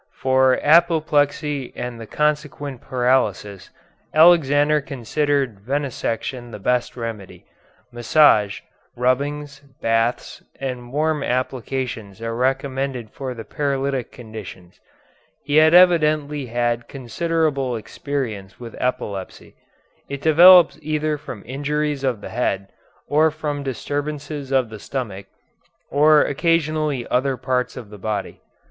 For apoplexy and the consequent paralysis, Alexander considered venesection the best remedy. Massage, rubbings, baths, and warm applications are recommended for the paralytic conditions. He had evidently had considerable experience with epilepsy. It develops either from injuries of the head or from disturbances of the stomach, or occasionally other parts of the body.